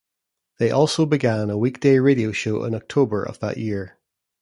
They also began a weekday radio show in October of that year.